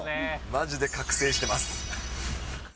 まじで覚醒してます。